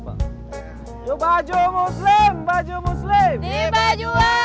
di bajuan di musliman